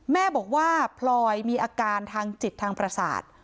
แม่บอกว่าพลอยมีอาการทางจิตทางประสาท